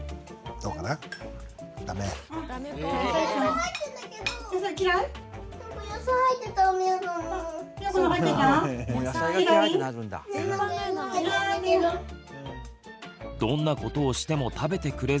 どんなことをしても食べてくれず困っているママ。